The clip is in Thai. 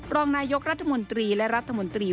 รองนายกรัฐมนตรีและรัฐมนตรี